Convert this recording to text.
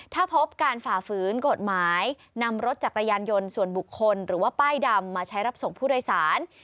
ถ้าพบการฝ่าฝืนกฎหมายนำรถจักรยานยนต์ส่วนบุคคลหรือว่าป้ายดำมาใช้รับส่งผู้โดยสาร